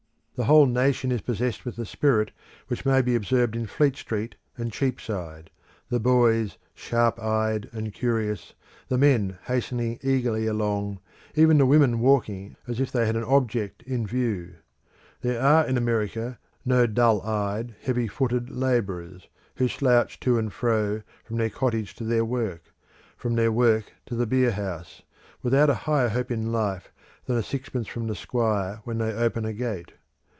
The whole nation is possessed with the spirit which may be observed in Fleet Street and Cheapside; the boys sharp eyed and curious, the men hastening eagerly along, even the women walking as if they had an object in view. There are in America no dull eyed heavy footed labourers, who slouch to and fro from their cottage to their work, from their work to the beer house, without a higher hope in life than a sixpence from the squire when they open a gate.